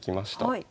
はい。